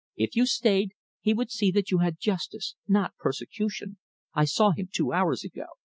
If you stayed, he would see that you had justice not persecution. I saw him two hours ago."